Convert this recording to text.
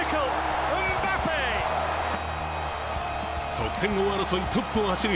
得点王争いトップを走る